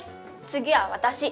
次は私。